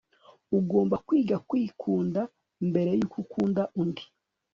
ugomba kwiga kwikunda mbere yuko ukunda undi